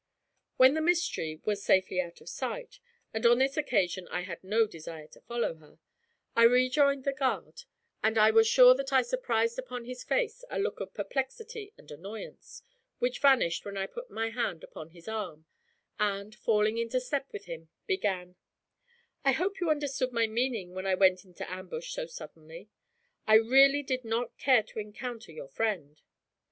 When the 'mystery' was safely out of sight, and on this occasion I had no desire to follow her, I rejoined the guard, and I was sure that I surprised upon his face a look of perplexity and annoyance, which vanished when I put my hand upon his arm, and, falling into step with him, began: 'I hope you understood my meaning when I went into ambush so suddenly? I really did not care to encounter your friend.'